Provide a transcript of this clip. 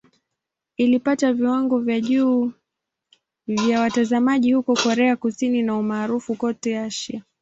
Ilipata viwango vya juu vya watazamaji huko Korea Kusini na umaarufu kote Asia.